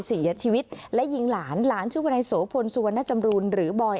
เสียชีวิตและยิงหลานหลานชื่อวนายโสพลสุวรรณจำรูนหรือบอย